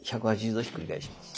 １８０度ひっくり返します。